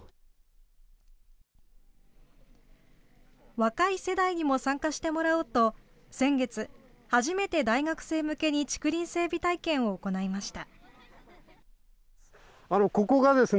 若い世代にも参加してもらおうと、先月、初めて大学生向けに竹林整備体験を行いました。